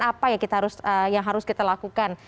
apa yang harus kita lakukan